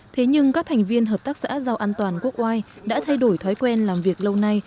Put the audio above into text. thế nhưng các thành viên hợp tác xã rau an toàn quốc oai đã thay đổi thói quen làm việc lâu nay